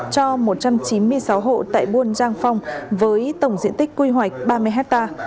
cho một trăm chín mươi sáu hộ tại buôn giang phong với tổng diện tích quy hoạch ba mươi hectare